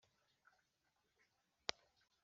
muri ibyo bihugu ibe icyigenge,